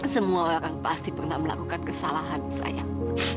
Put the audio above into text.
semua orang pasti pernah melakukan kesalahan sayang